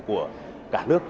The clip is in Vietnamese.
của cả nước